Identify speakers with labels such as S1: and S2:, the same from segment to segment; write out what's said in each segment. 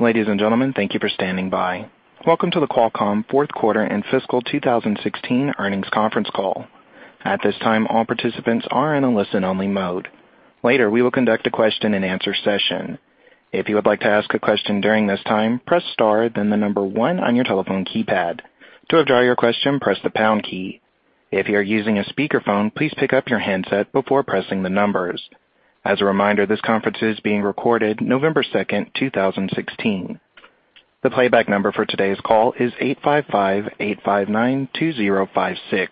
S1: Ladies and gentlemen, thank you for standing by. Welcome to the Qualcomm Fourth Quarter and Fiscal 2016 Earnings Conference Call. At this time, all participants are in a listen-only mode. Later, we will conduct a question-and-answer session. If you would like to ask a question during this time, press star, then the number one on your telephone keypad. To withdraw your question, press the pound key. If you are using a speakerphone, please pick up your handset before pressing the numbers. As a reminder, this conference is being recorded November 2nd, 2016. The playback number for today's call is 855-859-2056.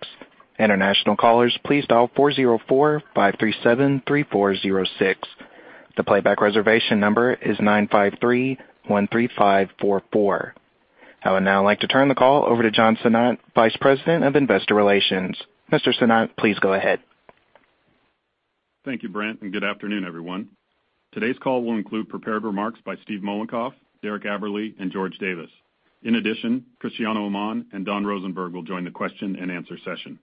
S1: International callers please dial 404-537-3406. The playback reservation number is 953-13544. I would now like to turn the call over to John Sinnott, Vice President of Investor Relations. Mr. Sinnott, please go ahead.
S2: Thank you, Brent, good afternoon, everyone. Today's call will include prepared remarks by Steve Mollenkopf, Derek Aberle, and George Davis. In addition, Cristiano Amon and Don Rosenberg will join the question-and-answer session.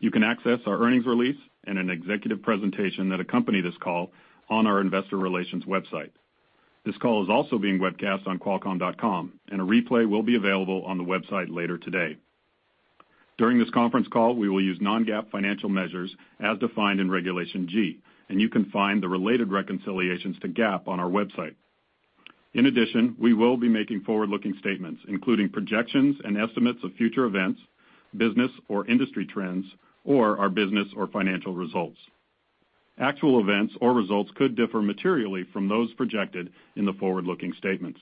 S2: You can access our earnings release and an executive presentation that accompany this call on our investor relations website. This call is also being webcast on qualcomm.com, a replay will be available on the website later today. During this conference call, we will use non-GAAP financial measures as defined in Regulation G, you can find the related reconciliations to GAAP on our website. In addition, we will be making forward-looking statements, including projections and estimates of future events, business or industry trends, or our business or financial results. Actual events or results could differ materially from those projected in the forward-looking statements.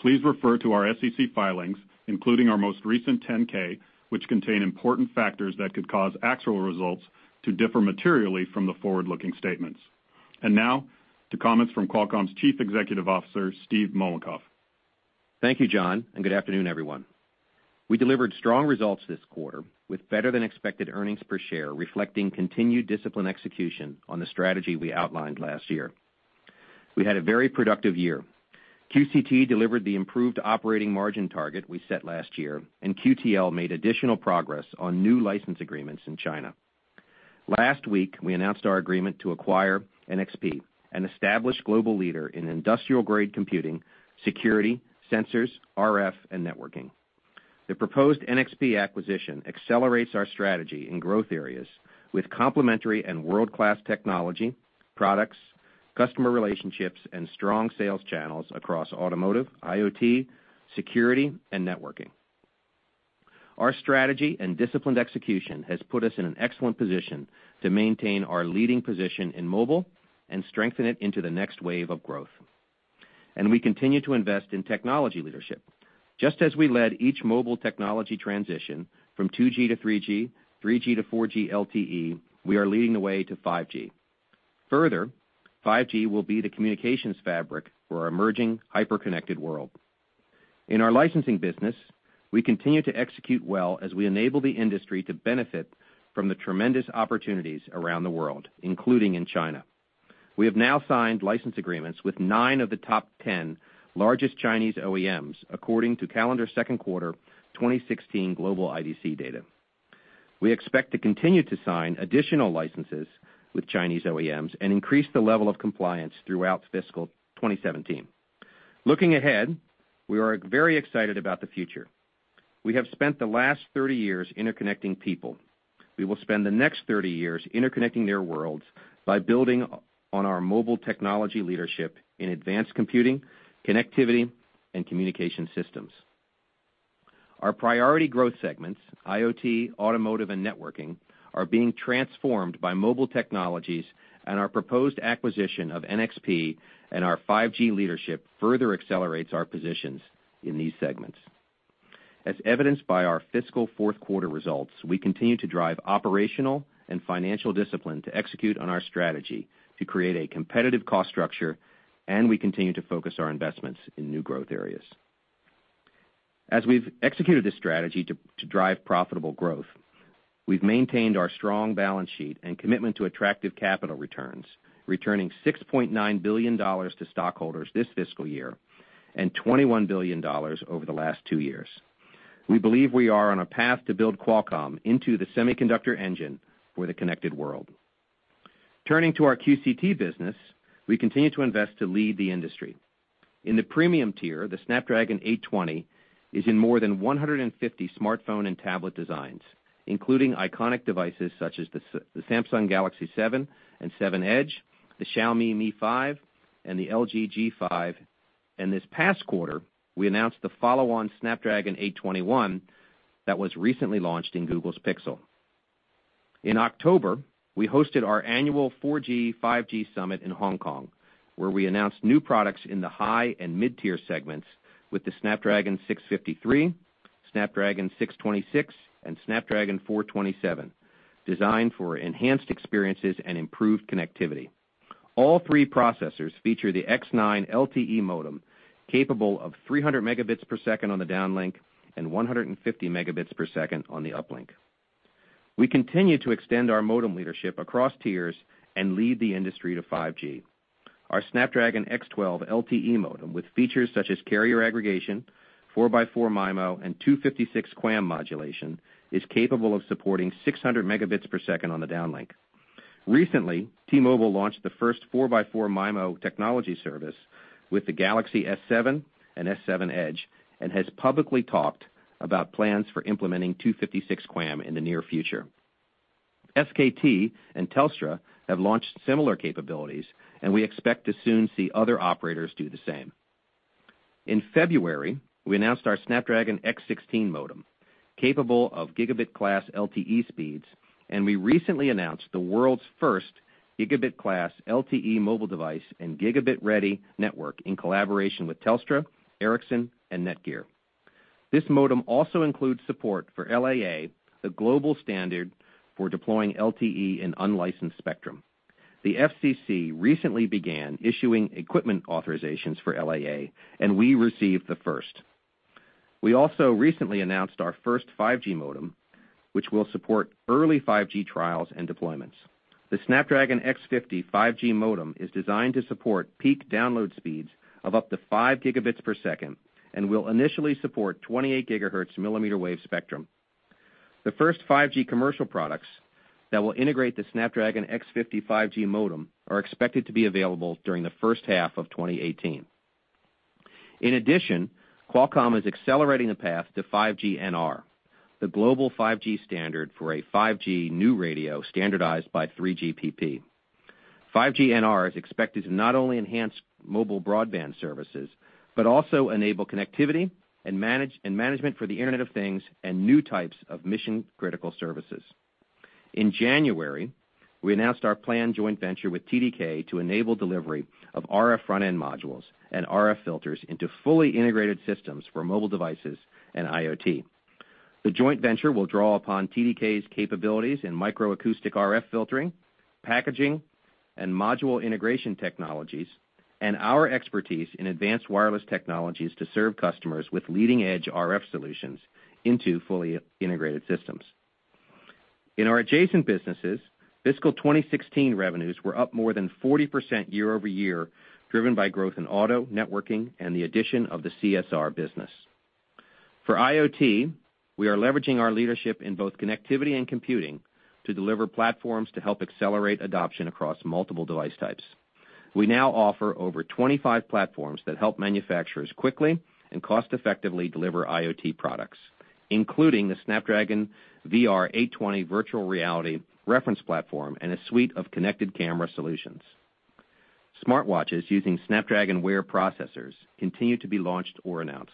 S2: Please refer to our SEC filings, including our most recent 10-K, which contain important factors that could cause actual results to differ materially from the forward-looking statements. Now to comments from Qualcomm's Chief Executive Officer, Steve Mollenkopf.
S3: Thank you, John, good afternoon, everyone. We delivered strong results this quarter with better than expected earnings per share, reflecting continued disciplined execution on the strategy we outlined last year. We had a very productive year. QCT delivered the improved operating margin target we set last year, QTL made additional progress on new license agreements in China. Last week, we announced our agreement to acquire NXP, an established global leader in industrial-grade computing, security, sensors, RF, and networking. The proposed NXP acquisition accelerates our strategy in growth areas with complementary and world-class technology, products, customer relationships, and strong sales channels across automotive, IoT, security, and networking. Our strategy and disciplined execution has put us in an excellent position to maintain our leading position in mobile and strengthen it into the next wave of growth. We continue to invest in technology leadership. Just as we led each mobile technology transition from 2G to 3G to 4G LTE, we are leading the way to 5G. Further, 5G will be the communications fabric for our emerging hyper-connected world. In our licensing business, we continue to execute well as we enable the industry to benefit from the tremendous opportunities around the world, including in China. We have now signed license agreements with nine of the top 10 largest Chinese OEMs, according to calendar second quarter 2016 global IDC data. We expect to continue to sign additional licenses with Chinese OEMs and increase the level of compliance throughout fiscal 2017. Looking ahead, we are very excited about the future. We have spent the last 30 years interconnecting people. We will spend the next 30 years interconnecting their worlds by building on our mobile technology leadership in advanced computing, connectivity, and communication systems. Our priority growth segments, IoT, automotive, and networking, are being transformed by mobile technologies, and our proposed acquisition of NXP and our 5G leadership further accelerates our positions in these segments. As evidenced by our fiscal fourth quarter results, we continue to drive operational and financial discipline to execute on our strategy to create a competitive cost structure, and we continue to focus our investments in new growth areas. As we've executed this strategy to drive profitable growth, we've maintained our strong balance sheet and commitment to attractive capital returns, returning $6.9 billion to stockholders this fiscal year and $21 billion over the last two years. We believe we are on a path to build Qualcomm into the semiconductor engine for the connected world. Turning to our QCT business, we continue to invest to lead the industry. In the premium tier, the Snapdragon 820 is in more than 150 smartphone and tablet designs, including iconic devices such as the Samsung Galaxy S7 and S7 edge, the Xiaomi Mi 5, and the LG G5. This past quarter, we announced the follow-on Snapdragon 821 that was recently launched in Google's Pixel. In October, we hosted our annual 4G/5G Summit in Hong Kong, where we announced new products in the high and mid-tier segments with the Snapdragon 653, Snapdragon 626, and Snapdragon 427, designed for enhanced experiences and improved connectivity. All three processors feature the Snapdragon X9 LTE modem, capable of 300 megabits per second on the downlink and 150 megabits per second on the uplink. We continue to extend our modem leadership across tiers and lead the industry to 5G. Our Snapdragon X12 LTE modem, with features such as carrier aggregation, 4x4 MIMO, and 256 QAM modulation, is capable of supporting 600 megabits per second on the downlink. Recently, T-Mobile launched the first 4x4 MIMO technology service with the Galaxy S7 and S7 edge and has publicly talked about plans for implementing 256 QAM in the near future. SKT and Telstra have launched similar capabilities, and we expect to soon see other operators do the same. In February, we announced our Snapdragon X16 modem, capable of gigabit class LTE speeds, and we recently announced the world's first gigabit class LTE mobile device and gigabit-ready network in collaboration with Telstra, Ericsson, and NETGEAR. This modem also includes support for LAA, the global standard for deploying LTE in unlicensed spectrum. The FCC recently began issuing equipment authorizations for LAA, and we received the first. We also recently announced our first 5G modem, which will support early 5G trials and deployments. The Snapdragon X50 5G modem is designed to support peak download speeds of up to 5 gigabits per second and will initially support 28 gigahertz millimeter wave spectrum. The first 5G commercial products that will integrate the Snapdragon X50 5G modem are expected to be available during the first half of 2018. Qualcomm is accelerating the path to 5G NR, the global 5G standard for a 5G new radio standardized by 3GPP. 5G NR is expected to not only enhance mobile broadband services but also enable connectivity and management for the Internet of Things and new types of mission-critical services. In January, we announced our planned joint venture with TDK to enable delivery of RF front-end modules and RF filters into fully integrated systems for mobile devices and IoT. The joint venture will draw upon TDK's capabilities in micro acoustic RF filtering, packaging, and module integration technologies and our expertise in advanced wireless technologies to serve customers with leading-edge RF solutions into fully integrated systems. In our adjacent businesses, fiscal 2016 revenues were up more than 40% year-over-year, driven by growth in auto, networking, and the addition of the CSR business. For IoT, we are leveraging our leadership in both connectivity and computing to deliver platforms to help accelerate adoption across multiple device types. We now offer over 25 platforms that help manufacturers quickly and cost-effectively deliver IoT products, including the Snapdragon VR820 virtual reality reference platform and a suite of connected camera solutions. Smartwatches using Snapdragon Wear processors continue to be launched or announced,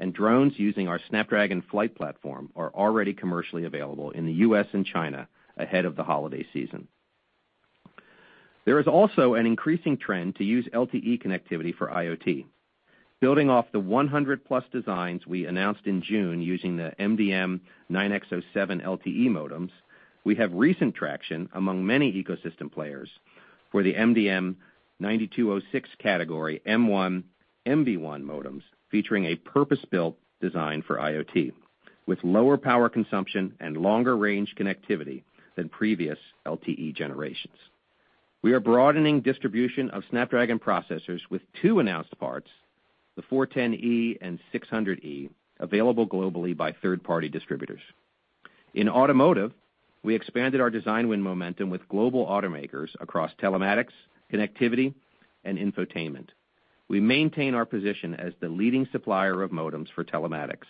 S3: and drones using our Snapdragon Flight platform are already commercially available in the U.S. and China ahead of the holiday season. There is also an increasing trend to use LTE connectivity for IoT. Building off the 100-plus designs we announced in June using the MDM9x07 LTE modems, we have recent traction among many ecosystem players for the MDM9206 category M1, NB1 modems, featuring a purpose-built design for IoT with lower power consumption and longer-range connectivity than previous LTE generations. We are broadening distribution of Snapdragon processors with two announced parts, the 410E and 600E, available globally by third-party distributors. In automotive, we expanded our design win momentum with global automakers across telematics, connectivity, and infotainment. We maintain our position as the leading supplier of modems for telematics,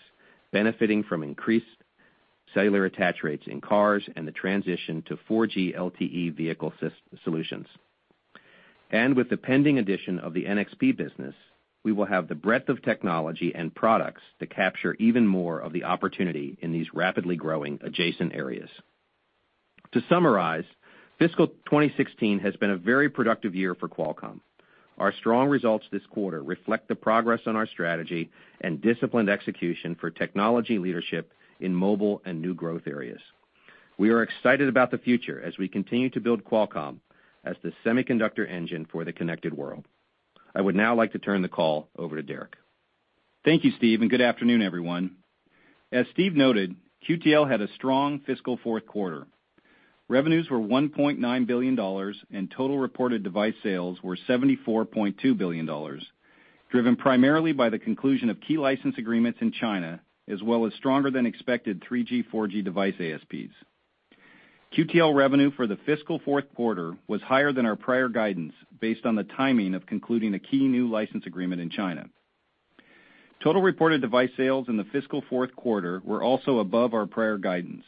S3: benefiting from increased cellular attach rates in cars and the transition to 4G LTE vehicle solutions. With the pending addition of the NXP business, we will have the breadth of technology and products to capture even more of the opportunity in these rapidly growing adjacent areas. To summarize, fiscal 2016 has been a very productive year for Qualcomm. Our strong results this quarter reflect the progress on our strategy and disciplined execution for technology leadership in mobile and new growth areas. I would now like to turn the call over to Derek.
S4: Thank you, Steve, and good afternoon, everyone. As Steve noted, QTL had a strong fiscal fourth quarter. Revenues were $1.9 billion and total reported device sales were $74.2 billion, driven primarily by the conclusion of key license agreements in China, as well as stronger than expected 3G, 4G device ASPs. QTL revenue for the fiscal fourth quarter was higher than our prior guidance based on the timing of concluding a key new license agreement in China. Total reported device sales in the fiscal fourth quarter were also above our prior guidance,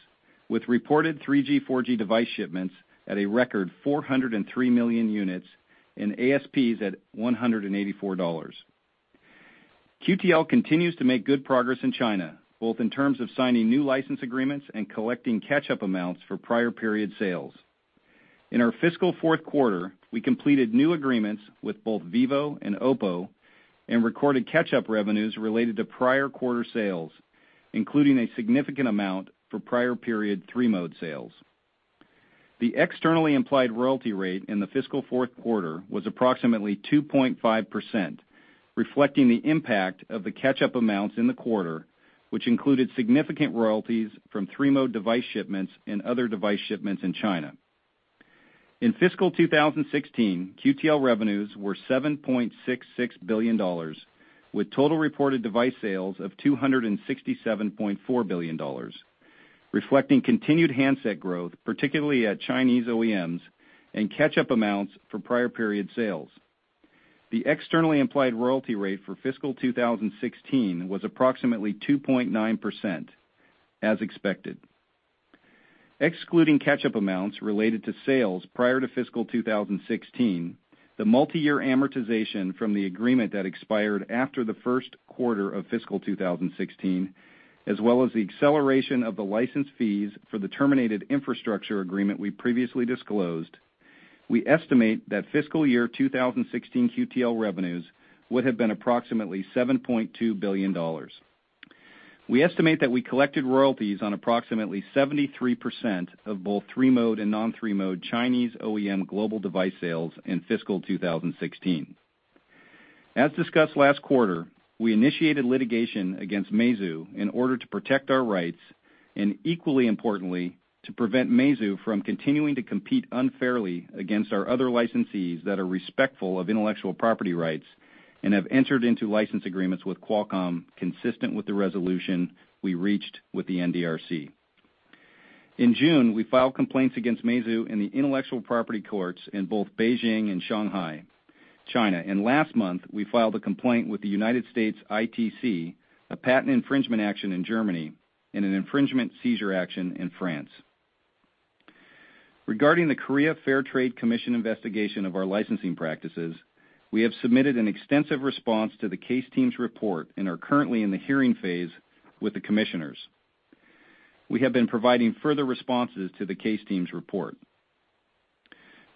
S4: with reported 3G, 4G device shipments at a record 403 million units and ASPs at $184. QTL continues to make good progress in China, both in terms of signing new license agreements and collecting catch-up amounts for prior period sales. In our fiscal fourth quarter, we completed new agreements with both vivo and OPPO and recorded catch-up revenues related to prior quarter sales, including a significant amount for prior period Three Mode sales. The externally implied royalty rate in the fiscal fourth quarter was approximately 2.5%, reflecting the impact of the catch-up amounts in the quarter, which included significant royalties from Three Mode device shipments and other device shipments in China. In fiscal 2016, QTL revenues were $7.66 billion. With total reported device sales of $267.4 billion, reflecting continued handset growth, particularly at Chinese OEMs, and catch-up amounts for prior period sales. The externally implied royalty rate for fiscal 2016 was approximately 2.9%, as expected. Excluding catch-up amounts related to sales prior to fiscal 2016, the multi-year amortization from the agreement that expired after the first quarter of fiscal 2016, as well as the acceleration of the license fees for the terminated infrastructure agreement we previously disclosed, we estimate that fiscal year 2016 QTL revenues would have been approximately $7.2 billion. We estimate that we collected royalties on approximately 73% of both Three Mode and non-Three Mode Chinese OEM global device sales in fiscal 2016. As discussed last quarter, we initiated litigation against Meizu in order to protect our rights, and equally importantly, to prevent Meizu from continuing to compete unfairly against our other licensees that are respectful of intellectual property rights and have entered into license agreements with Qualcomm consistent with the resolution we reached with the NDRC. In June, we filed complaints against Meizu in the intellectual property courts in both Beijing and Shanghai, China. Last month, we filed a complaint with the United States ITC, a patent infringement action in Germany, and an infringement seizure action in France. Regarding the Korea Fair Trade Commission investigation of our licensing practices, we have submitted an extensive response to the case team's report and are currently in the hearing phase with the commissioners. We have been providing further responses to the case team's report.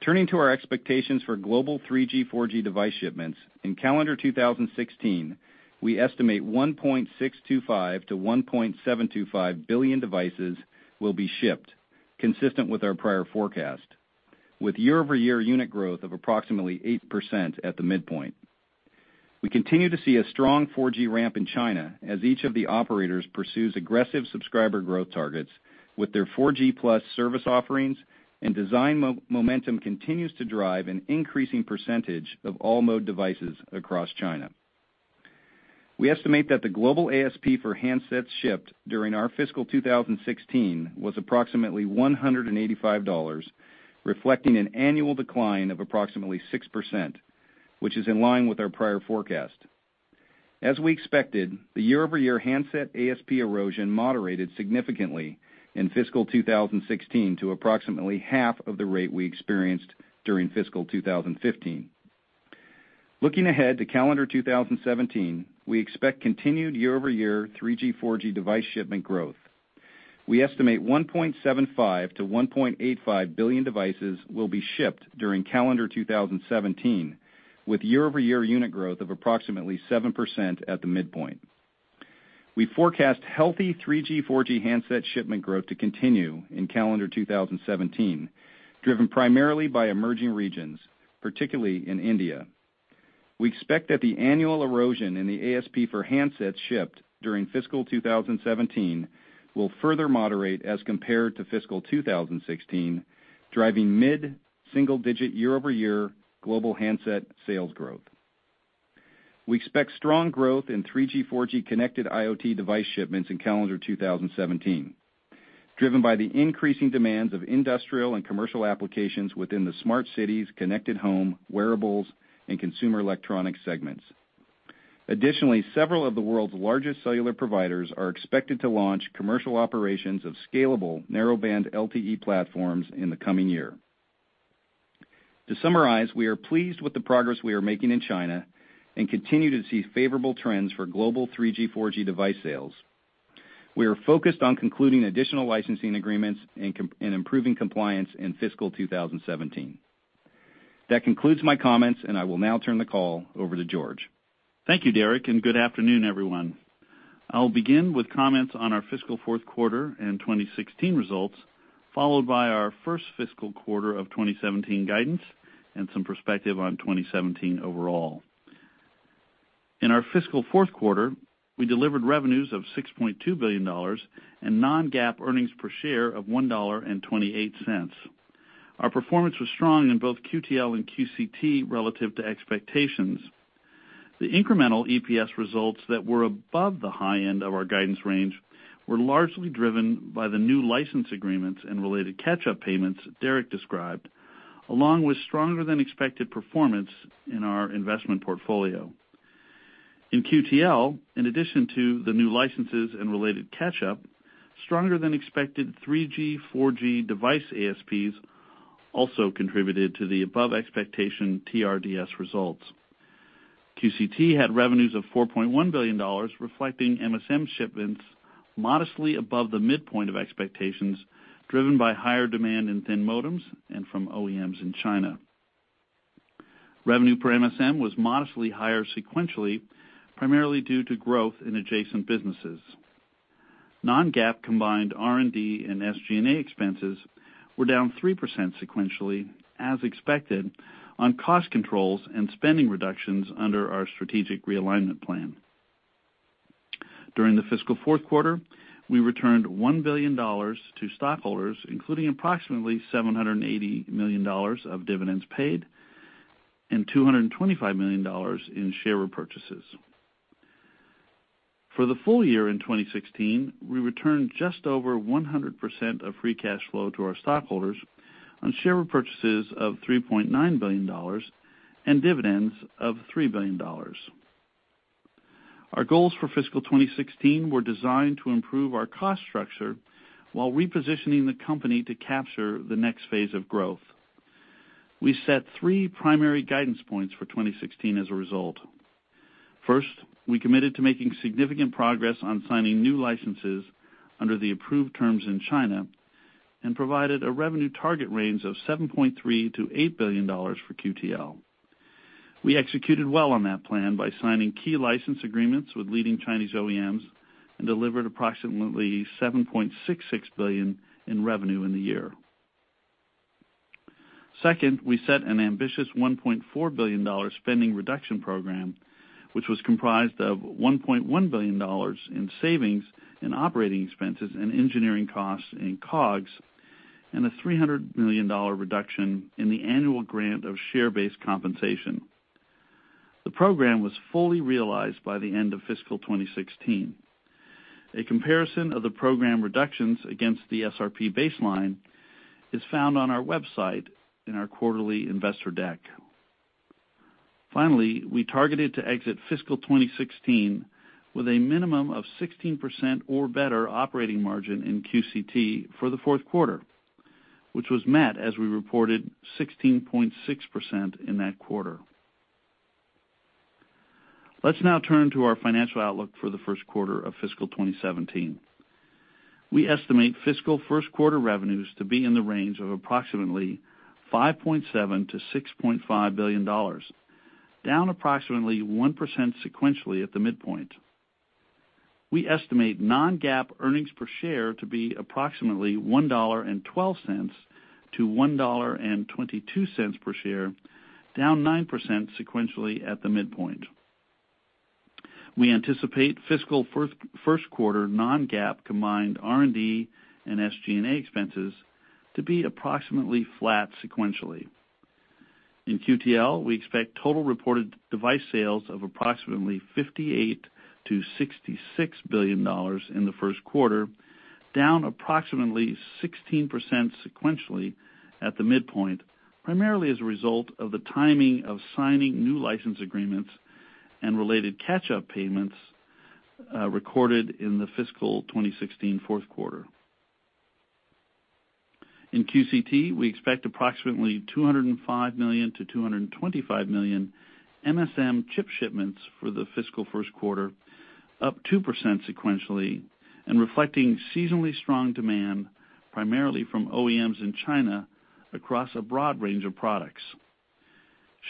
S4: Turning to our expectations for global 3G, 4G device shipments. In calendar 2016, we estimate 1.625 billion-1.725 billion devices will be shipped, consistent with our prior forecast, with year-over-year unit growth of approximately 8% at the midpoint. We continue to see a strong 4G ramp in China as each of the operators pursues aggressive subscriber growth targets with their 4G+ service offerings, and design momentum continues to drive an increasing percentage of all mode devices across China. We estimate that the global ASP for handsets shipped during our fiscal 2016 was approximately $185, reflecting an annual decline of approximately 6%, which is in line with our prior forecast. As we expected, the year-over-year handset ASP erosion moderated significantly in fiscal 2016 to approximately half of the rate we experienced during fiscal 2015. Looking ahead to calendar 2017, we expect continued year-over-year 3G, 4G device shipment growth. We estimate 1.75 billion-1.85 billion devices will be shipped during calendar 2017, with year-over-year unit growth of approximately 7% at the midpoint. We forecast healthy 3G, 4G handset shipment growth to continue in calendar 2017, driven primarily by emerging regions, particularly in India. We expect that the annual erosion in the ASP for handsets shipped during fiscal 2017 will further moderate as compared to fiscal 2016, driving mid-single digit year-over-year global handset sales growth. We expect strong growth in 3G, 4G connected IoT device shipments in calendar 2017, driven by the increasing demands of industrial and commercial applications within the smart cities, connected home, wearables, and consumer electronics segments. Additionally, several of the world's largest cellular providers are expected to launch commercial operations of scalable narrowband LTE platforms in the coming year. To summarize, we are pleased with the progress we are making in China and continue to see favorable trends for global 3G, 4G device sales. We are focused on concluding additional licensing agreements and improving compliance in fiscal 2017. That concludes my comments, and I will now turn the call over to George.
S5: Thank you, Derek, and good afternoon, everyone. I will begin with comments on our fiscal fourth quarter and 2016 results, followed by our first fiscal quarter of 2017 guidance and some perspective on 2017 overall. In our fiscal fourth quarter, we delivered revenues of $6.2 billion and non-GAAP earnings per share of $1.28. Our performance was strong in both QTL and QCT relative to expectations. The incremental EPS results that were above the high end of our guidance range were largely driven by the new license agreements and related catch-up payments Derek described, along with stronger than expected performance in our investment portfolio. In QTL, in addition to the new licenses and related catch-up, stronger than expected 3G, 4G device ASPs also contributed to the above expectation TRDS results. QCT had revenues of $4.1 billion, reflecting MSM shipments modestly above the midpoint of expectations, driven by higher demand in thin modems and from OEMs in China. Revenue per MSM was modestly higher sequentially, primarily due to growth in adjacent businesses. Non-GAAP combined R&D and SG&A expenses were down 3% sequentially as expected on cost controls and spending reductions under our strategic realignment plan. During the fiscal fourth quarter, we returned $1 billion to stockholders, including approximately $780 million of dividends paid and $225 million in share repurchases. For the full year in 2016, we returned just over 100% of free cash flow to our stockholders on share repurchases of $3.9 billion and dividends of $3 billion. Our goals for fiscal 2016 were designed to improve our cost structure while repositioning the company to capture the next phase of growth. We set three primary guidance points for 2016 as a result. First, we committed to making significant progress on signing new licenses under the approved terms in China and provided a revenue target range of $7.3 billion-$8 billion for QTL. We executed well on that plan by signing key license agreements with leading Chinese OEMs and delivered approximately $7.66 billion in revenue in the year. Second, we set an ambitious $1.4 billion spending reduction program, which was comprised of $1.1 billion in savings in operating expenses and engineering costs in COGS, and a $300 million reduction in the annual grant of share-based compensation. The program was fully realized by the end of fiscal 2016. A comparison of the program reductions against the SRP baseline is found on our website in our quarterly investor deck. Finally, we targeted to exit fiscal 2016 with a minimum of 16% or better operating margin in QCT for the fourth quarter, which was met as we reported 16.6% in that quarter. Let's now turn to our financial outlook for the first quarter of fiscal 2017. We estimate fiscal first quarter revenues to be in the range of approximately $5.7 billion-$6.5 billion, down approximately 1% sequentially at the midpoint. We estimate non-GAAP earnings per share to be approximately $1.12-$1.22 per share, down 9% sequentially at the midpoint. We anticipate fiscal first quarter non-GAAP combined R&D and SG&A expenses to be approximately flat sequentially. In QTL, we expect total reported device sales of approximately $58 billion-$66 billion in the first quarter, down approximately 16% sequentially at the midpoint, primarily as a result of the timing of signing new license agreements and related catch-up payments recorded in the fiscal 2016 fourth quarter. In QCT, we expect approximately 205 million-225 million MSM chip shipments for the fiscal first quarter, up 2% sequentially, and reflecting seasonally strong demand, primarily from OEMs in China across a broad range of products.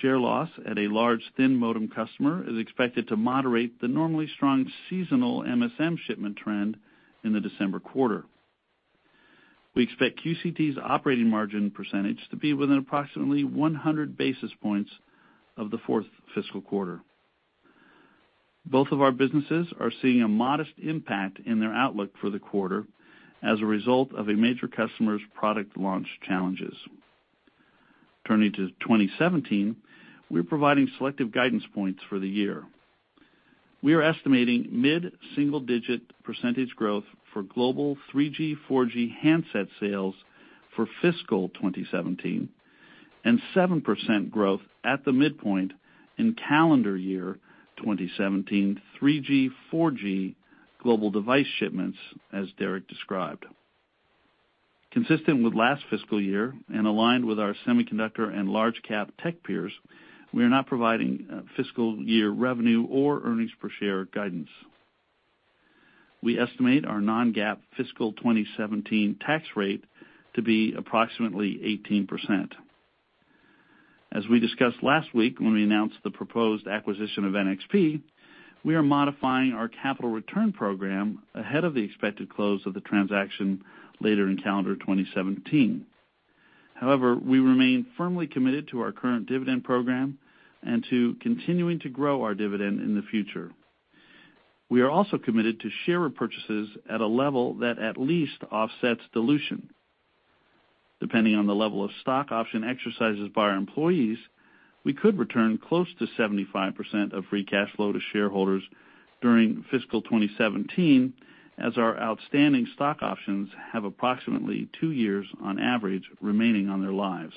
S5: Share loss at a large thin modem customer is expected to moderate the normally strong seasonal MSM shipment trend in the December quarter. We expect QCT's operating margin percentage to be within approximately 100 basis points of the fourth fiscal quarter. Both of our businesses are seeing a modest impact in their outlook for the quarter as a result of a major customer's product launch challenges. Turning to 2017, we're providing selective guidance points for the year. We are estimating mid-single-digit percentage growth for global 3G, 4G handset sales for fiscal 2017, and 7% growth at the midpoint in calendar year 2017 3G, 4G global device shipments, as Derek described. Consistent with last fiscal year and aligned with our semiconductor and large cap tech peers, we are not providing fiscal year revenue or earnings per share guidance. We estimate our non-GAAP fiscal 2017 tax rate to be approximately 18%. As we discussed last week when we announced the proposed acquisition of NXP, we are modifying our capital return program ahead of the expected close of the transaction later in calendar 2017. However, we remain firmly committed to our current dividend program and to continuing to grow our dividend in the future. We are also committed to share repurchases at a level that at least offsets dilution. Depending on the level of stock option exercises by our employees, we could return close to 75% of free cash flow to shareholders during fiscal 2017, as our outstanding stock options have approximately two years on average remaining on their lives.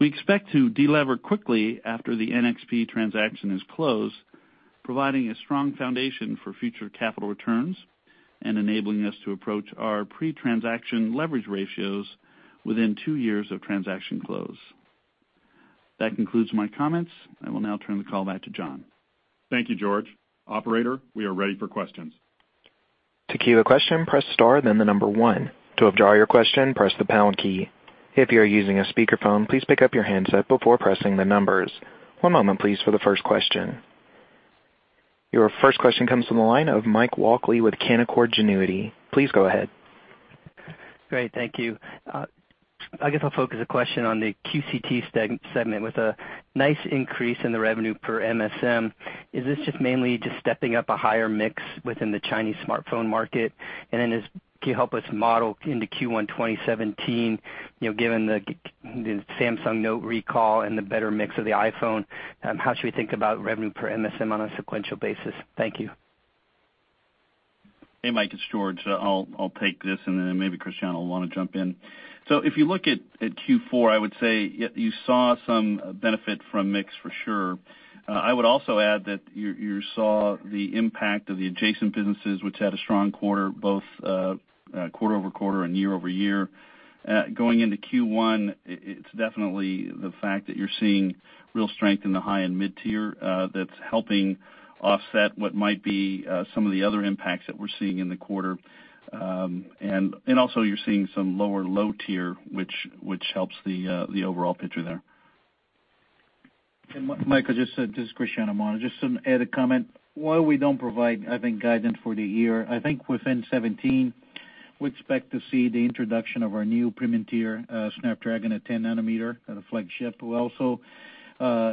S5: We expect to de-lever quickly after the NXP transaction is closed, providing a strong foundation for future capital returns and enabling us to approach our pre-transaction leverage ratios within two years of transaction close. That concludes my comments. I will now turn the call back to John.
S2: Thank you, George. Operator, we are ready for questions.
S1: To queue a question, press star, then the number one. To withdraw your question, press the pound key. If you are using a speakerphone, please pick up your handset before pressing the numbers. One moment, please, for the first question. Your first question comes from the line of Mike Walkley with Canaccord Genuity. Please go ahead.
S6: Great. Thank you. I guess I'll focus a question on the QCT segment with a nice increase in the revenue per MSM. Is this just mainly just stepping up a higher mix within the Chinese smartphone market? Can you help us model into Q1 2017, given the Samsung Note recall and the better mix of the iPhone, how should we think about revenue per MSM on a sequential basis? Thank you.
S5: Hey, Mike, it's George. I'll take this, and then maybe Cristiano will want to jump in. If you look at Q4, I would say you saw some benefit from mix for sure. I would also add that you saw the impact of the adjacent businesses, which had a strong quarter, both quarter-over-quarter and year-over-year. Going into Q1, it's definitely the fact that you're seeing real strength in the high and mid-tier that's helping offset what might be some of the other impacts that we're seeing in the quarter. Also you're seeing some lower low tier, which helps the overall picture there.
S7: Mike, this is Cristiano Amon. Just to add a comment. While we don't provide guidance for the year, within 2017, we expect to see the introduction of our new premium tier Snapdragon at 10-nanometer at a flagship. We also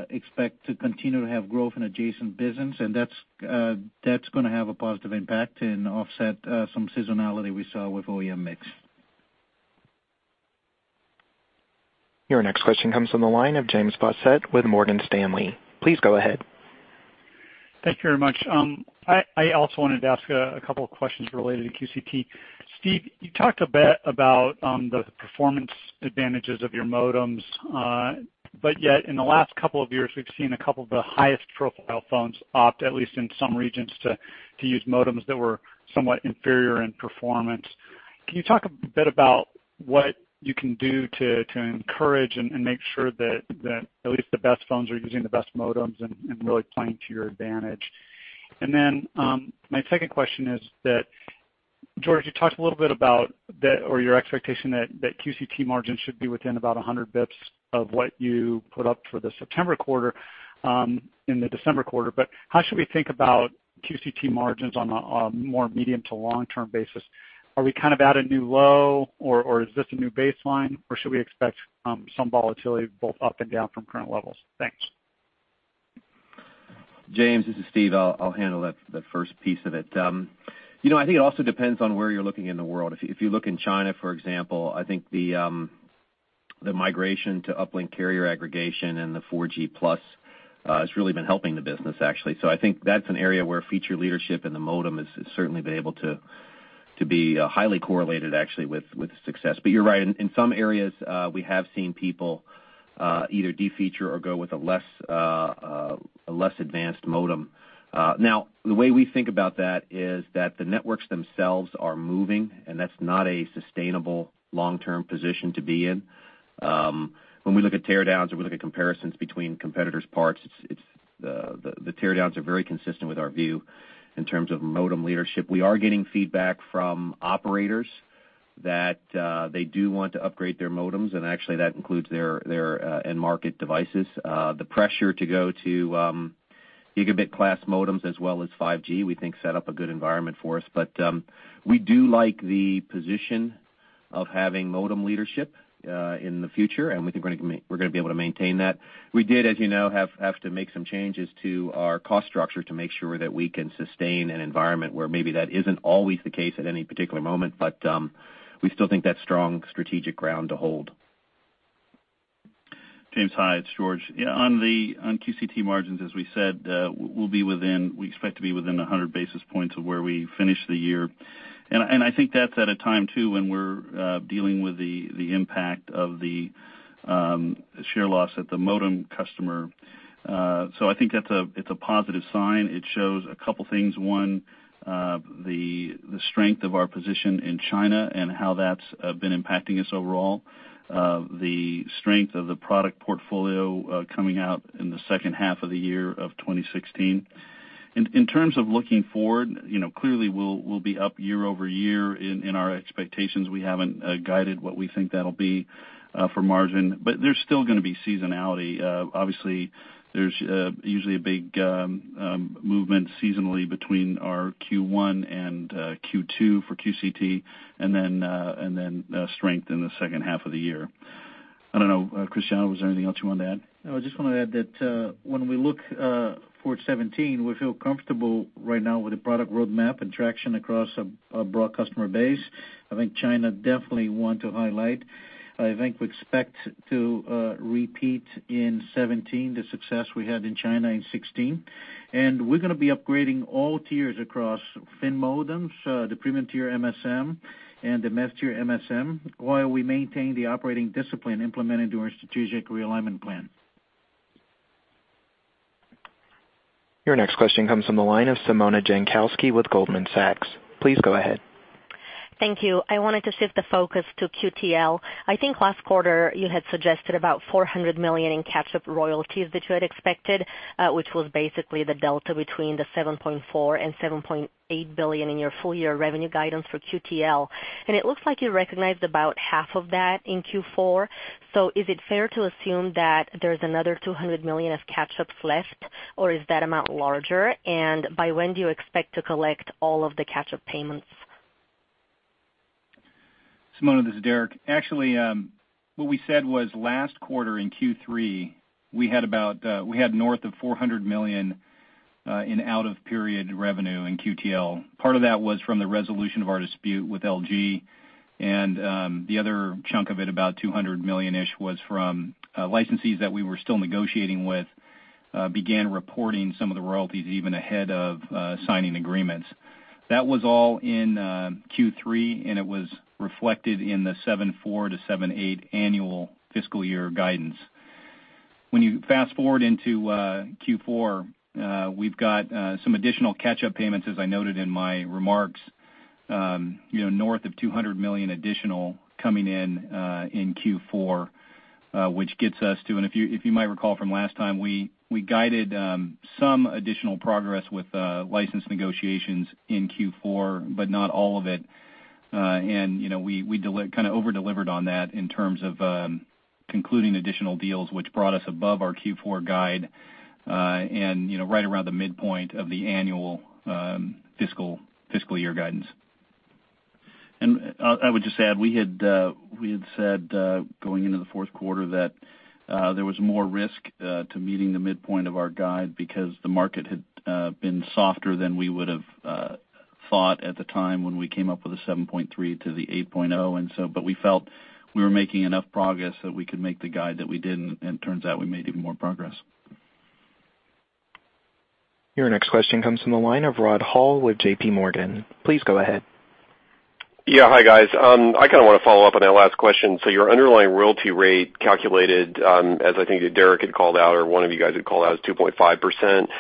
S7: expect to continue to have growth in adjacent business, that's going to have a positive impact and offset some seasonality we saw with OEM mix.
S1: Your next question comes from the line of James Faucette with Morgan Stanley. Please go ahead.
S8: Thank you very much. I also wanted to ask a couple of questions related to QCT. Steve, you talked a bit about the performance advantages of your modems, yet in the last couple of years, we've seen a couple of the highest profile phones opt, at least in some regions, to use modems that were somewhat inferior in performance. Can you talk a bit about what you can do to encourage and make sure that at least the best phones are using the best modems and really playing to your advantage? My second question is that, George, you talked a little bit about your expectation that QCT margins should be within about 100 basis points of what you put up for the September quarter in the December quarter. How should we think about QCT margins on a more medium to long-term basis? Are we kind of at a new low, or is this a new baseline? Should we expect some volatility both up and down from current levels? Thanks.
S3: James, this is Steve. I'll handle that first piece of it. I think it also depends on where you're looking in the world. If you look in China, for example, I think the migration to uplink carrier aggregation and the 4G+ has really been helping the business, actually. I think that's an area where feature leadership in the modem has certainly been able to be highly correlated, actually, with success. You're right. In some areas, we have seen people either de-feature or go with a less advanced modem. Now, the way we think about that is that the networks themselves are moving, and that's not a sustainable long-term position to be in. When we look at teardowns or we look at comparisons between competitors' parts, the teardowns are very consistent with our view in terms of modem leadership. We are getting feedback from operators that they do want to upgrade their modems, and actually that includes their end-market devices. The pressure to go to gigabit-class modems as well as 5G, we think set up a good environment for us. We do like the position of having modem leadership in the future, and we think we're going to be able to maintain that. We did, as you know, have to make some changes to our cost structure to make sure that we can sustain an environment where maybe that isn't always the case at any particular moment, but we still think that's strong strategic ground to hold.
S5: James, hi, it's George. On QCT margins, as we said, we expect to be within 100 basis points of where we finish the year. I think that's at a time, too, when we're dealing with the impact of the share loss at the modem customer. I think it's a positive sign. It shows a couple things. One, the strength of our position in China and how that's been impacting us overall. The strength of the product portfolio coming out in the second half of the year of 2016. In terms of looking forward, clearly we'll be up year-over-year in our expectations. We haven't guided what we think that'll be for margin. There's still going to be seasonality. Obviously, there's usually a big movement seasonally between our Q1 and Q2 for QCT, and then strength in the second half of the year. I don't know, Cristiano, was there anything else you wanted to add?
S7: I just want to add that when we look forward to 2017, we feel comfortable right now with the product roadmap and traction across a broad customer base. I think China definitely want to highlight. I think we expect to repeat in 2017 the success we had in China in 2016. We're going to be upgrading all tiers across thin modems, the premium tier MSM, and the mass tier MSM, while we maintain the operating discipline implemented to our strategic realignment plan.
S1: Your next question comes from the line of Simona Jankowski with Goldman Sachs. Please go ahead.
S9: Thank you. I wanted to shift the focus to QTL. I think last quarter you had suggested about $400 million in catch-up royalties that you had expected, which was basically the delta between the $7.4 billion and $7.8 billion in your full-year revenue guidance for QTL. It looks like you recognized about half of that in Q4. Is it fair to assume that there's another $200 million of catch-ups left? Or is that amount larger? By when do you expect to collect all of the catch-up payments?
S4: Simona, this is Derek. Actually, what we said was last quarter in Q3, we had north of $400 million in out-of-period revenue in QTL. Part of that was from the resolution of our dispute with LG, the other chunk of it, about $200 million-ish, was from licensees that we were still negotiating with, began reporting some of the royalties even ahead of signing agreements. That was all in Q3, it was reflected in the $7.4 billion-$7.8 billion annual fiscal year guidance. When you fast-forward into Q4, we've got some additional catch-up payments, as I noted in my remarks, north of $200 million additional coming in Q4, which gets us to. If you might recall from last time, we guided some additional progress with license negotiations in Q4, but not all of it. We over-delivered on that in terms of concluding additional deals, which brought us above our Q4 guide and right around the midpoint of the annual fiscal year guidance.
S5: I would just add, we had said, going into the fourth quarter that there was more risk to meeting the midpoint of our guide because the market had been softer than we would have thought at the time when we came up with a $7.3 billion-$8.0 billion. We felt we were making enough progress that we could make the guide that we did, it turns out we made even more progress.
S1: Your next question comes from the line of Rod Hall with JP Morgan. Please go ahead.
S10: Hi, guys. I want to follow up on that last question. Your underlying royalty rate calculated, as I think that Derek had called out or one of you guys had called out, is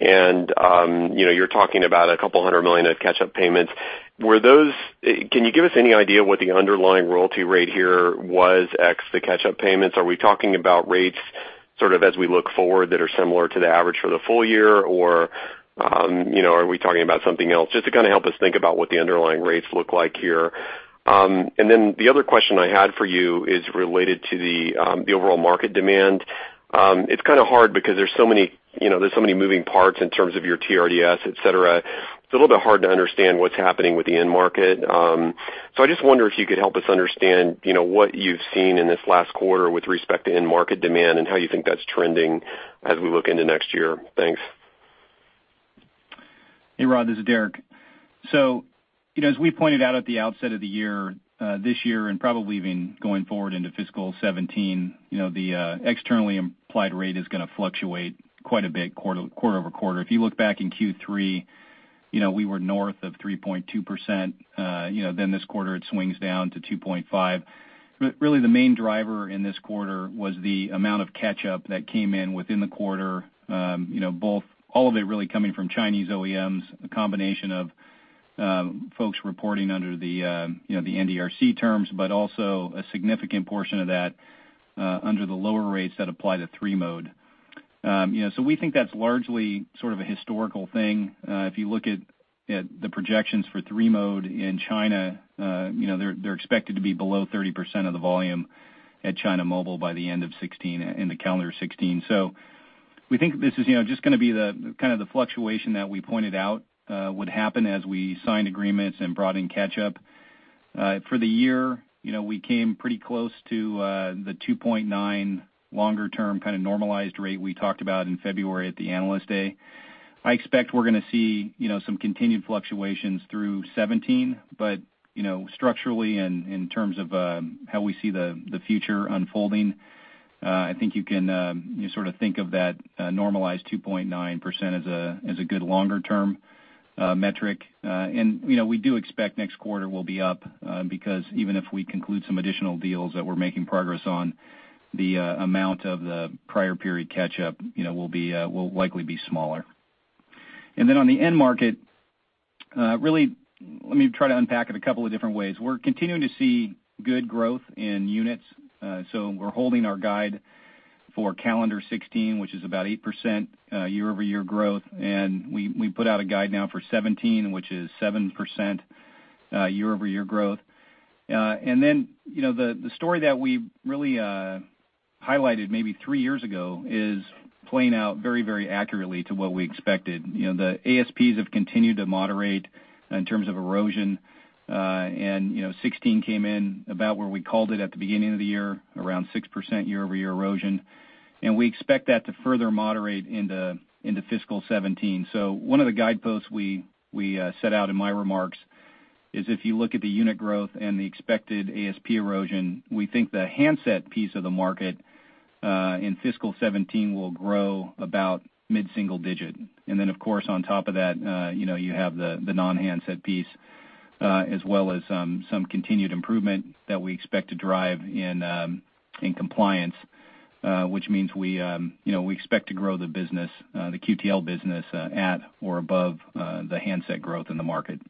S10: 2.5%. You're talking about $200 million of catch-up payments. Can you give us any idea what the underlying royalty rate here was, ex the catch-up payments? Are we talking about rates as we look forward that are similar to the average for the full year, or are we talking about something else? Just to help us think about what the underlying rates look like here. The other question I had for you is related to the overall market demand. It's kind of hard because there's so many moving parts in terms of your TRDS, et cetera. It's a little bit hard to understand what's happening with the end market. I just wonder if you could help us understand what you've seen in this last quarter with respect to end market demand and how you think that's trending as we look into next year. Thanks.
S4: Hey, Rod, this is Derek. As we pointed out at the outset of the year, this year, and probably even going forward into fiscal 2017, the externally implied rate is going to fluctuate quite a bit quarter-over-quarter. If you look back in Q3, we were north of 3.2%. This quarter, it swings down to 2.5%. Really the main driver in this quarter was the amount of catch-up that came in within the quarter. All of it really coming from Chinese OEMs, a combination of folks reporting under the NDRC terms, a significant portion of that under the lower rates that apply to 3-mode. We think that's largely sort of a historical thing. If you look at the projections for 3-mode in China, they're expected to be below 30% of the volume at China Mobile by the end of 2016, in the calendar 2016. We think this is just going to be the fluctuation that we pointed out would happen as we signed agreements and brought in catch-up. For the year, we came pretty close to the 2.9% longer-term kind of normalized rate we talked about in February at the Analyst Day. I expect we're going to see some continued fluctuations through 2017, structurally and in terms of how we see the future unfolding, I think you can think of that normalized 2.9% as a good longer-term metric. We do expect next quarter will be up, because even if we conclude some additional deals that we're making progress on, the amount of the prior period catch-up will likely be smaller. On the end market, let me try to unpack it a couple of different ways. We're continuing to see good growth in units. We're holding our guide for calendar 2016, which is about 8% year-over-year growth, and we put out a guide now for 2017, which is 7% year-over-year growth. The story that we highlighted maybe three years ago is playing out very, very accurately to what we expected. The ASPs have continued to moderate in terms of erosion. 2016 came in about where we called it at the beginning of the year, around 6% year-over-year erosion. We expect that to further moderate into fiscal 2017. One of the guideposts we set out in my remarks is if you look at the unit growth and the expected ASP erosion, we think the handset piece of the market in fiscal 2017 will grow about mid-single digit. Of course, on top of that, you have the non-handset piece, as well as some continued improvement that we expect to drive in compliance, which means we expect to grow the business, the QTL business, at or above the handset growth in the market.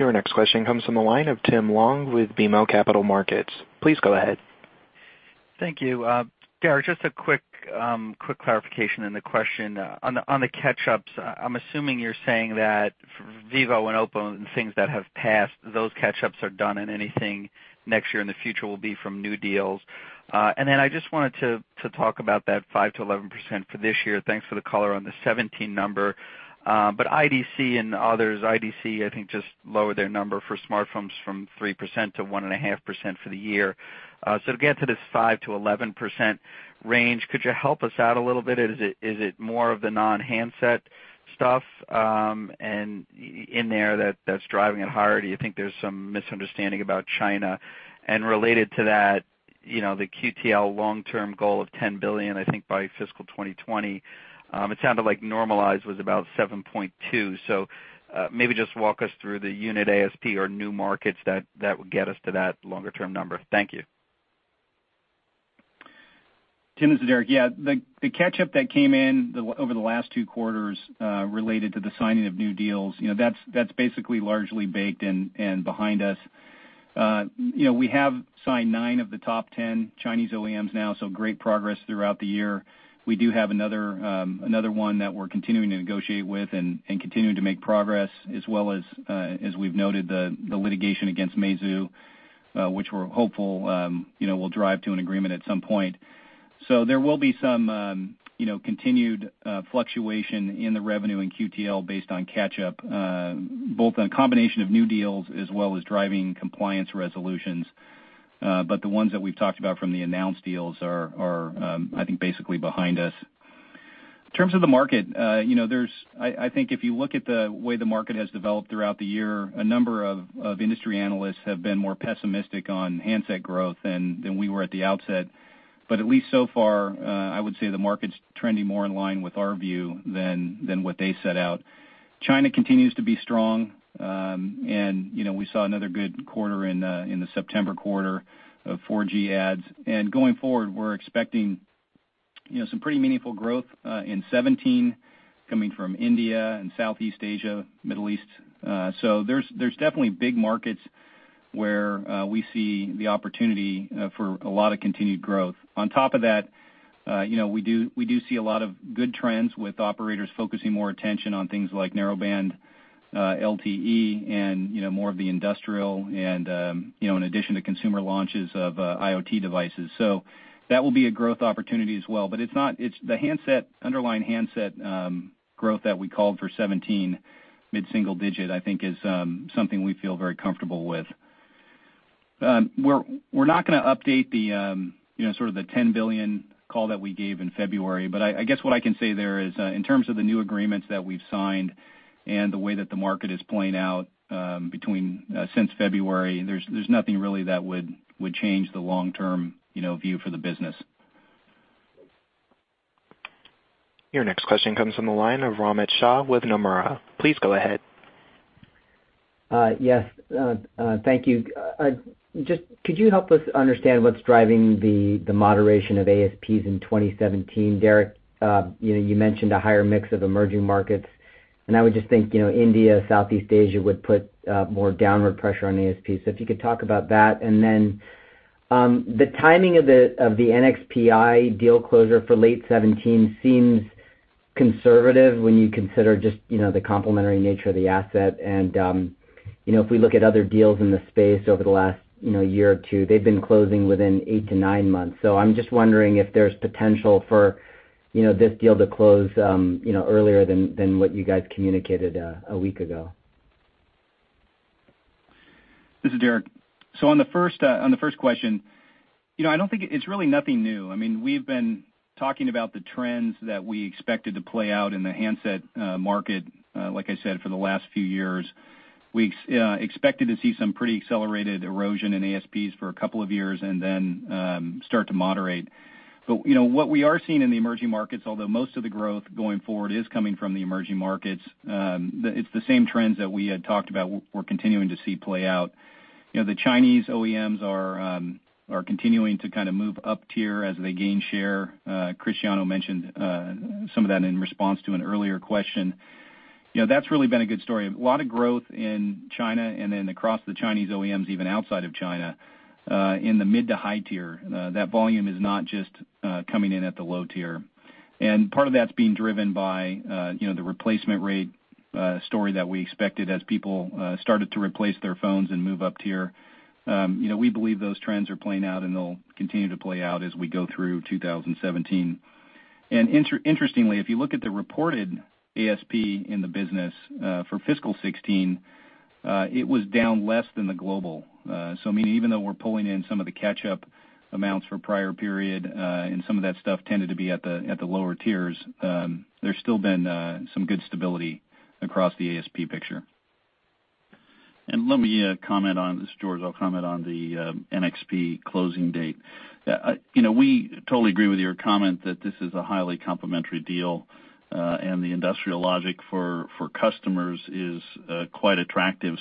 S1: Your next question comes from the line of Tim Long with BMO Capital Markets. Please go ahead.
S11: Thank you. Derek, just a quick clarification in the question. On the catch-ups, I'm assuming you're saying that vivo and OPPO and things that have passed, those catch-ups are done and anything next year in the future will be from new deals. I just wanted to talk about that 5%-11% for this year. Thanks for the color on the 2017 number. IDC and others, IDC, I think just lowered their number for smartphones from 3%-1.5% for the year. To get to this 5%-11% range, could you help us out a little bit? Is it more of the non-handset stuff in there that's driving it higher, or do you think there's some misunderstanding about China? Related to that, the QTL long-term goal of $10 billion, I think by fiscal 2020. It sounded like normalized was about $7.2. Maybe just walk us through the unit ASP or new markets that would get us to that longer-term number. Thank you.
S4: Tim, this is Derek. Yeah, the catch-up that came in over the last two quarters related to the signing of new deals, that's basically largely baked and behind us. We have signed nine of the top 10 Chinese OEMs now, so great progress throughout the year. We do have another one that we're continuing to negotiate with and continuing to make progress, as well as we've noted the litigation against Meizu, which we're hopeful will drive to an agreement at some point. There will be some continued fluctuation in the revenue in QTL based on catch-up, both on a combination of new deals as well as driving compliance resolutions. The ones that we've talked about from the announced deals are, I think, basically behind us. In terms of the market, I think if you look at the way the market has developed throughout the year, a number of industry analysts have been more pessimistic on handset growth than we were at the outset. At least so far, I would say the market's trending more in line with our view than what they set out. China continues to be strong, and we saw another good quarter in the September quarter of 4G adds. Going forward, we're expecting some pretty meaningful growth in 2017 coming from India and Southeast Asia, Middle East. There's definitely big markets where we see the opportunity for a lot of continued growth. On top of that, we do see a lot of good trends with operators focusing more attention on things like narrowband LTE and more of the industrial and in addition to consumer launches of IoT devices. That will be a growth opportunity as well, but the underlying handset growth that we called for 2017, mid-single-digit, I think is something we feel very comfortable with. We're not going to update the sort of the $10 billion call that we gave in February, but I guess what I can say there is in terms of the new agreements that we've signed and the way that the market is playing out since February, there's nothing really that would change the long-term view for the business.
S1: Your next question comes from the line of Romit Shah with Nomura. Please go ahead.
S12: Yes. Thank you. Could you help us understand what's driving the moderation of ASPs in 2017? Derek, you mentioned a higher mix of emerging markets, and I would just think India, Southeast Asia would put more downward pressure on ASP. If you could talk about that. The timing of the NXP deal closure for late 2017 seems conservative when you consider just the complementary nature of the asset. If we look at other deals in the space over the last year or two, they've been closing within 8-9 months. I'm just wondering if there's potential for this deal to close earlier than what you guys communicated a week ago.
S4: This is Derek. On the first question, it's really nothing new. We've been talking about the trends that we expected to play out in the handset market, like I said, for the last few years. We expected to see some pretty accelerated erosion in ASPs for a couple of years and then start to moderate. What we are seeing in the emerging markets, although most of the growth going forward is coming from the emerging markets, it's the same trends that we had talked about we're continuing to see play out. The Chinese OEMs are continuing to kind of move up tier as they gain share. Cristiano mentioned some of that in response to an earlier question. That's really been a good story. A lot of growth in China and then across the Chinese OEMs even outside of China in the mid to high tier. That volume is not just coming in at the low tier. Part of that's being driven by the replacement rate story that we expected as people started to replace their phones and move up tier. We believe those trends are playing out and they'll continue to play out as we go through 2017. Interestingly, if you look at the reported ASP in the business for fiscal 2016, it was down less than the global. Even though we're pulling in some of the catch-up amounts for prior period and some of that stuff tended to be at the lower tiers, there's still been some good stability across the ASP picture.
S5: Let me comment on, this is George. I'll comment on the NXP closing date. We totally agree with your comment that this is a highly complementary deal, and the industrial logic for customers is quite attractive.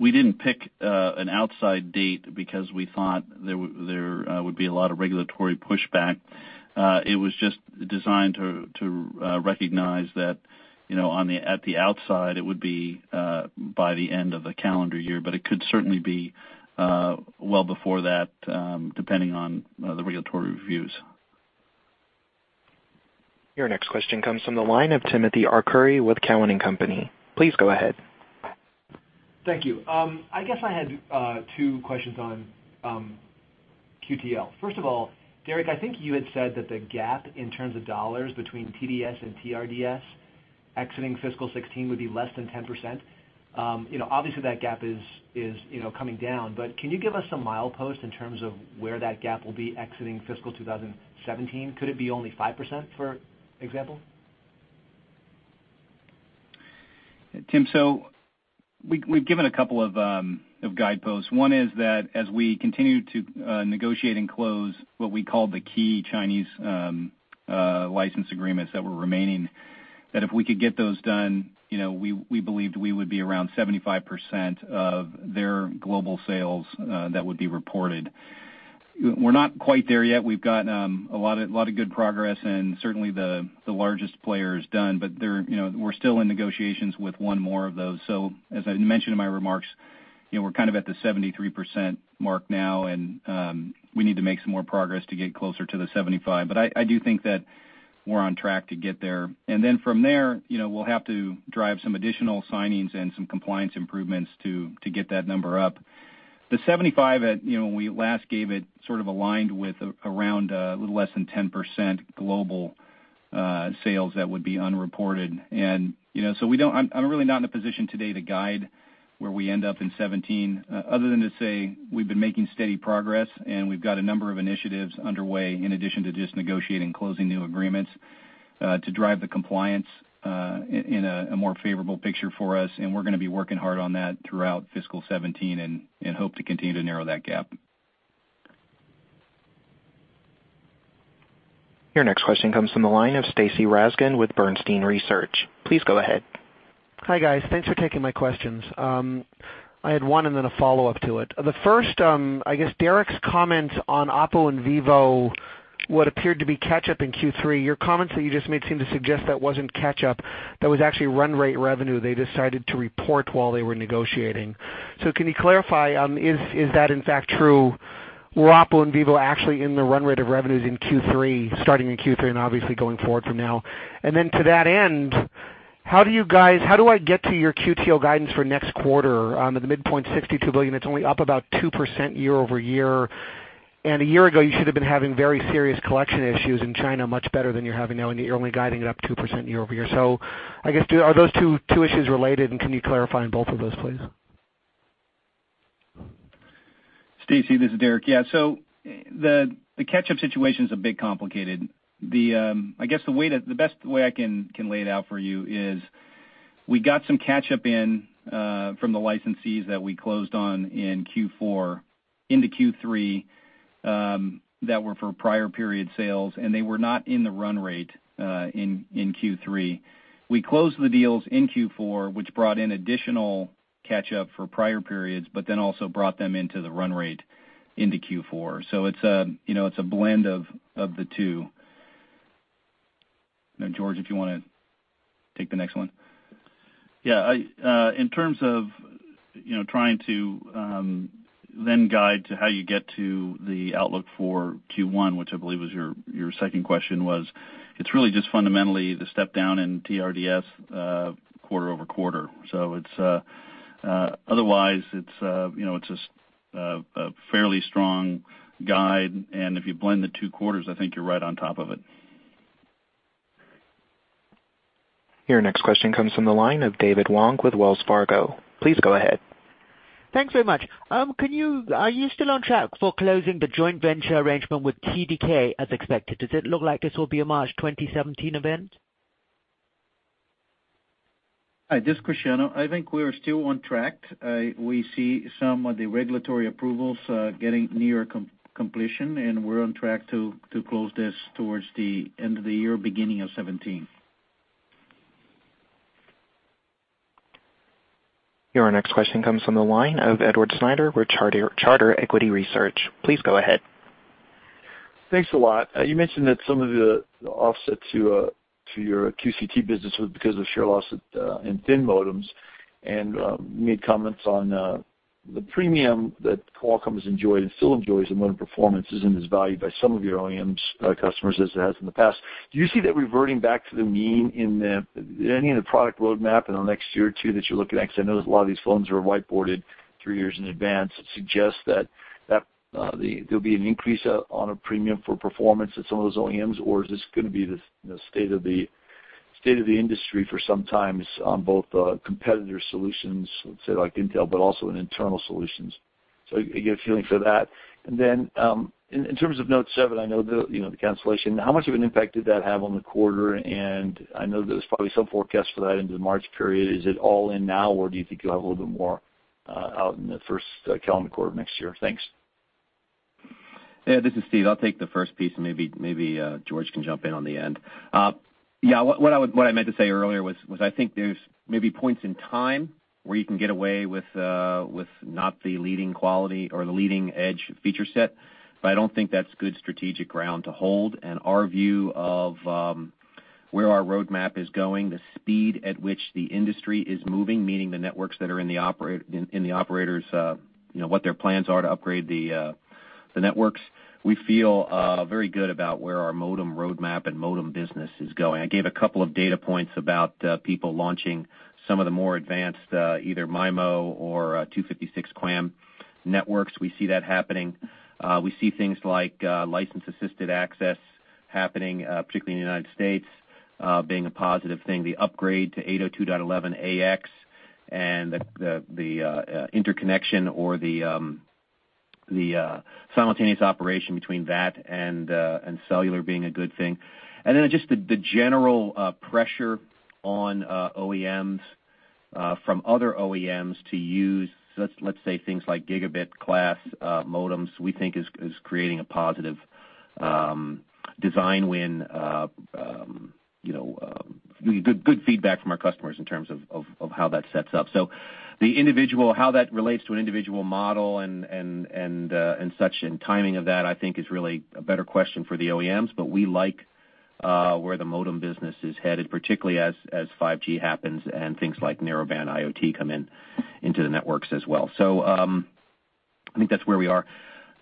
S5: We didn't pick an outside date because we thought there would be a lot of regulatory pushback. It was just designed to recognize that at the outside it would be by the end of the calendar year, but it could certainly be well before that depending on the regulatory reviews.
S1: Your next question comes from the line of Timothy Arcuri with Cowen and Company. Please go ahead.
S13: Thank you. I guess I had two questions on QTL. First of all, Derek, I think you had said that the gap in terms of dollars between TDS and TRDS exiting fiscal 2016 would be less than 10%. Obviously, that gap is coming down, can you give us some mileposts in terms of where that gap will be exiting fiscal 2017? Could it be only 5%, for example?
S4: Tim, we've given a couple of guideposts. One is that as we continue to negotiate and close what we call the key Chinese license agreements that were remaining, that if we could get those done, we believed we would be around 75% of their global sales that would be reported. We're not quite there yet. We've gotten a lot of good progress and certainly the largest player is done, we're still in negotiations with one more of those. As I mentioned in my remarks, we're kind of at the 73% mark now, and we need to make some more progress to get closer to the 75%. I do think that we're on track to get there. From there, we'll have to drive some additional signings and some compliance improvements to get that number up. The 75, when we last gave it, sort of aligned with around a little less than 10% global sales that would be unreported. I'm really not in a position today to guide where we end up in 2017, other than to say we've been making steady progress, and we've got a number of initiatives underway in addition to just negotiating and closing new agreements, to drive the compliance in a more favorable picture for us. We're going to be working hard on that throughout fiscal 2017 and hope to continue to narrow that gap.
S1: Your next question comes from the line of Stacy Rasgon with Bernstein Research. Please go ahead.
S14: Hi, guys. Thanks for taking my questions. I had one and then a follow-up to it. The first, I guess Derek's comment on OPPO and vivo, what appeared to be catch-up in Q3. Your comments that you just made seem to suggest that wasn't catch-up, that was actually run rate revenue they decided to report while they were negotiating. Can you clarify, is that in fact true? Were OPPO and vivo actually in the run rate of revenues in Q3, starting in Q3 and obviously going forward from now? To that end, how do I get to your QTL guidance for next quarter? At the midpoint $62 billion, it's only up about 2% year-over-year. A year ago, you should have been having very serious collection issues in China, much better than you're having now, and yet you're only guiding it up 2% year-over-year. I guess, are those two issues related, and can you clarify on both of those, please?
S4: Stacy, this is Derek. Yeah. The catch-up situation's a bit complicated. I guess the best way I can lay it out for you is we got some catch-up in from the licensees that we closed on in Q4 into Q3, that were for prior period sales, and they were not in the run rate in Q3. We closed the deals in Q4, which brought in additional catch-up for prior periods, but also brought them into the run rate into Q4. It's a blend of the two. George, if you want to take the next one.
S5: Yeah. In terms of trying to then guide to how you get to the outlook for Q1, which I believe was your second question was, it's really just fundamentally the step down in TRDS quarter-over-quarter. Otherwise, it's a fairly strong guide, and if you blend the two quarters, I think you're right on top of it.
S1: Your next question comes from the line of David Wong with Wells Fargo. Please go ahead.
S15: Thanks very much. Are you still on track for closing the joint venture arrangement with TDK as expected? Does it look like this will be a March 2017 event?
S7: Hi, this is Cristiano. I think we are still on track. We see some of the regulatory approvals getting near completion, and we're on track to close this towards the end of the year, beginning of 2017.
S1: Your next question comes from the line of Edward Snyder with Charter Equity Research. Please go ahead.
S16: Thanks a lot. You mentioned that some of the offset to your QCT business was because of share loss in thin modems, and you made comments on the premium that Qualcomm's enjoyed and still enjoys in modem performance isn't as valued by some of your OEMs, customers, as it has in the past. Do you see that reverting back to the mean in any of the product roadmap in the next year or two that you're looking at? Because I know there's a lot of these phones are whiteboarded three years in advance. It suggests that there'll be an increase on a premium for performance at some of those OEMs, or is this going to be the state of the industry for some time on both competitor solutions, let's say like Intel, but also in internal solutions? I get a feeling for that. Then, in terms of Note7, I know the cancellation. How much of an impact did that have on the quarter? I know there's probably some forecast for that into the March period. Is it all in now, or do you think you'll have a little bit more out in the first calendar quarter of next year? Thanks.
S3: This is Steve. I'll take the first piece, and maybe George can jump in on the end. What I meant to say earlier was I think there's maybe points in time where you can get away with not the leading quality or the leading edge feature set, but I don't think that's good strategic ground to hold, and our view of where our roadmap is going, the speed at which the industry is moving, meaning the networks that are in the operators, what their plans are to upgrade the networks We feel very good about where our modem roadmap and modem business is going. I gave a couple of data points about people launching some of the more advanced, either MIMO or 256 QAM networks. We see that happening. We see things like license-assisted access happening, particularly in the U.S., being a positive thing. The upgrade to 802.11ax and the interconnection or the simultaneous operation between that and cellular being a good thing. Just the general pressure on OEMs from other OEMs to use, let's say things like gigabit-class modems, we think is creating a positive design win. Good feedback from our customers in terms of how that sets up. How that relates to an individual model and such, and timing of that, I think is really a better question for the OEMs. We like where the modem business is headed, particularly as 5G happens and things like Narrowband IoT come into the networks as well. I think that's where we are.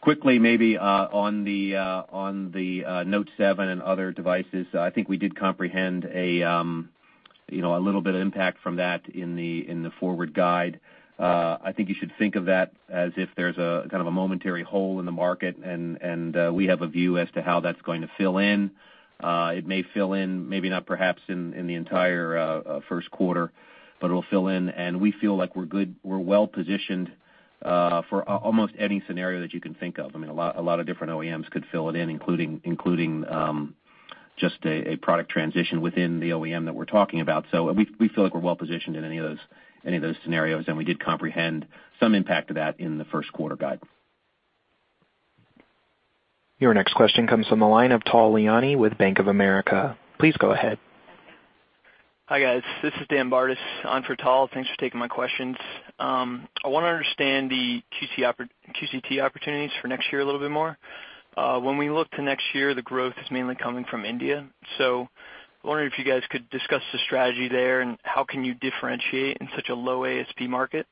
S3: Quickly, maybe on the Note7 and other devices, I think we did comprehend a little bit of impact from that in the forward guide. I think you should think of that as if there's a kind of a momentary hole in the market, and we have a view as to how that's going to fill in. It may fill in, maybe not perhaps in the entire first quarter, but it'll fill in, and we feel like we're well positioned for almost any scenario that you can think of. I mean, a lot of different OEMs could fill it in, including just a product transition within the OEM that we're talking about. We feel like we're well positioned in any of those scenarios, and we did comprehend some impact of that in the first quarter guide.
S1: Your next question comes from the line of Tal Liani with Bank of America. Please go ahead.
S17: Hi, guys. This is Daniel Bartus on for Tal. Thanks for taking my questions. I want to understand the QCT opportunities for next year a little bit more. When we look to next year, the growth is mainly coming from India. I wonder if you guys could discuss the strategy there and how can you differentiate in such a low ASP market.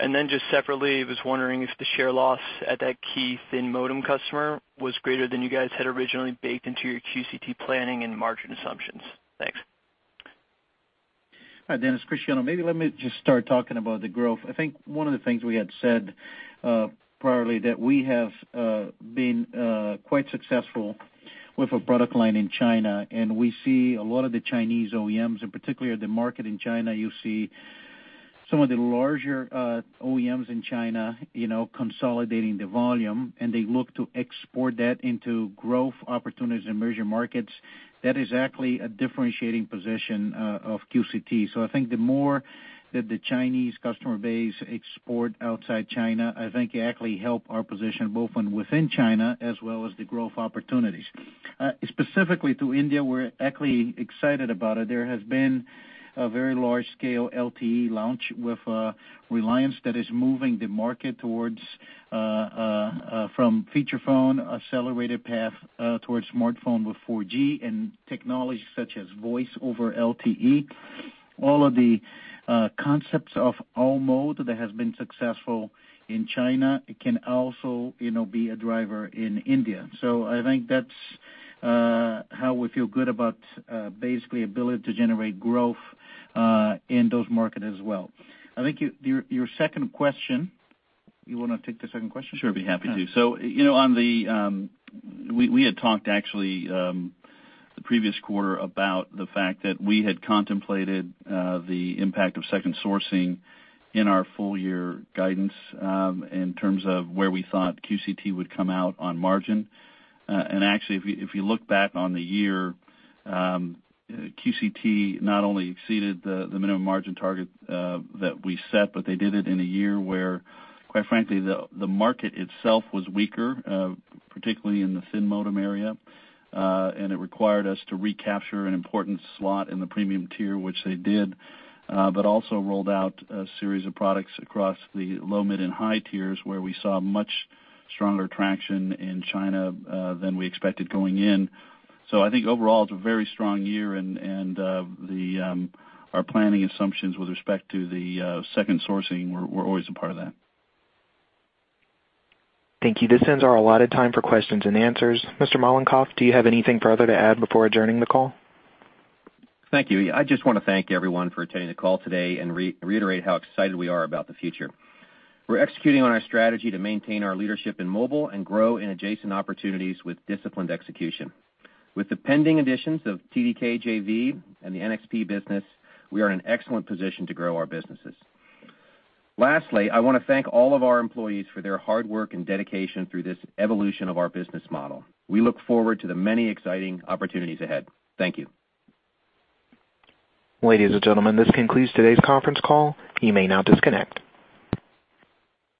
S17: Just separately, I was wondering if the share loss at that key thin modem customer was greater than you guys had originally baked into your QCT planning and margin assumptions. Thanks.
S7: Hi, Dan, it's Cristiano. Maybe let me just start talking about the growth. I think one of the things we had said priorly, that we have been quite successful with a product line in China. We see a lot of the Chinese OEMs, particularly the market in China, you see some of the larger OEMs in China consolidating the volume. They look to export that into growth opportunities in emerging markets. That is actually a differentiating position of QCT. I think the more that the Chinese customer base export outside China, I think it actually help our position both within China as well as the growth opportunities. Specifically to India, we're actually excited about it. There has been a very large-scale LTE launch with Reliance that is moving the market from feature phone, accelerated path towards smartphone with 4G and technologies such as Voice over LTE. All of the concepts of all mode that has been successful in China, it can also be a driver in India. I think that's how we feel good about basically ability to generate growth in those market as well. I think your second question, you want to take the second question?
S5: Sure, be happy to. We had talked actually the previous quarter about the fact that we had contemplated the impact of second sourcing in our full year guidance in terms of where we thought QCT would come out on margin. Actually, if you look back on the year, QCT not only exceeded the minimum margin target that we set, but they did it in a year where, quite frankly, the market itself was weaker, particularly in the thin modem area, and it required us to recapture an important slot in the premium tier, which they did, but also rolled out a series of products across the low, mid, and high tiers where we saw much stronger traction in China than we expected going in.
S3: I think overall, it's a very strong year and our planning assumptions with respect to the second sourcing were always a part of that.
S1: Thank you. This ends our allotted time for questions and answers. Mr. Mollenkopf, do you have anything further to add before adjourning the call?
S3: Thank you. I just want to thank everyone for attending the call today and reiterate how excited we are about the future. We're executing on our strategy to maintain our leadership in mobile and grow in adjacent opportunities with disciplined execution. With the pending additions of TDK JV and the NXP business, we are in an excellent position to grow our businesses. Lastly, I want to thank all of our employees for their hard work and dedication through this evolution of our business model. We look forward to the many exciting opportunities ahead. Thank you.
S1: Ladies and gentlemen, this concludes today's conference call. You may now disconnect.